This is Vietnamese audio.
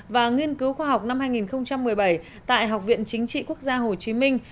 và nghiên cứu khoa học năm hai nghìn một mươi bảy tại học viện chính trị quốc gia hồ chí minh